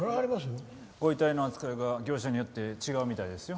ご遺体の扱いが業者によって違うみたいですよ。